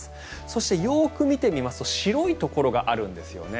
そしてよく見てみますと白いところがあるんですよね。